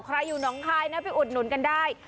ใครอยู่น้องคลายนะพี่อุดหนุนกันได้